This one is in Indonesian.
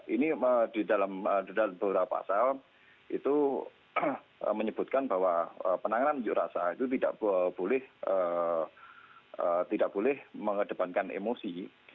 ini di dalam deda lintuh rapah asal itu menyebutkan bahwa penanganan unjuk rasa itu tidak boleh mengedepankan emosi